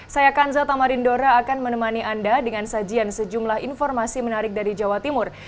saya kanza tamarindora akan menemani anda dengan sajian sejumlah informasi menarik dari jawa timur